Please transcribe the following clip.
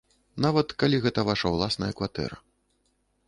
Нават калі гэта ваша ўласная кватэра.